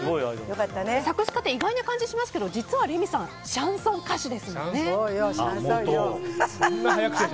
作詞家って意外な感じしますけど実はレミさんシャンソン歌手ですもんね。